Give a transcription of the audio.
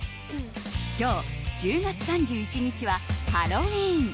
今日１０月３１日はハロウィーン。